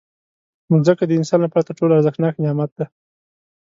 مځکه د انسان لپاره تر ټولو ارزښتناک نعمت دی.